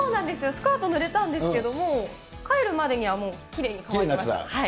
スカートぬれたんですけど、もう帰るまでにはもう、きれいに乾いてました。